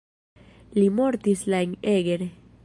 Li mortis la en Eger.